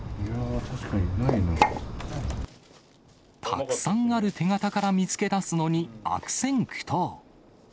たくさんある手形から見つけ出すのに悪戦苦闘。